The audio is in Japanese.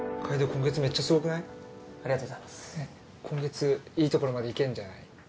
今月いいところまでいけんじゃない？